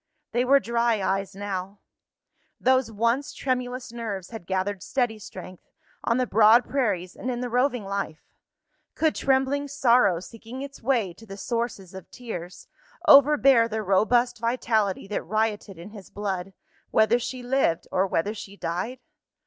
They were dry eyes now! Those once tremulous nerves had gathered steady strength, on the broad prairies and in the roving life. Could trembling sorrow, seeking its way to the sources of tears, overbear the robust vitality that rioted in his blood, whether she lived or whether she died?